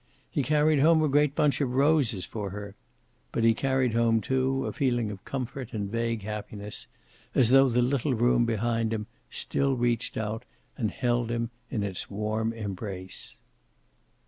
He carried home a great bunch of roses for her. But he carried home, too, a feeling of comfort and vague happiness, as though the little room behind him still reached out and held him in its warm embrace.